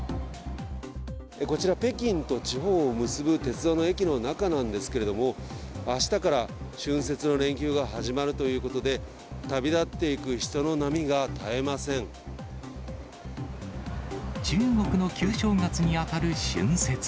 こちら、北京と地方を結ぶ鉄道の駅の中なんですけれども、あしたから春節の連休が始まるということで、中国の旧正月に当たる春節。